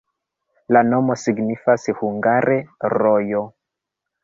La nomo signifas hungare: rojo.